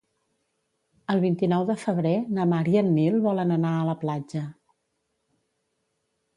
El vint-i-nou de febrer na Mar i en Nil volen anar a la platja.